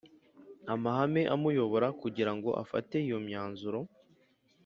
Amahame amuyobora kugira ngo afate iyo myanzuro